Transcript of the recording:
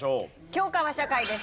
教科は社会です。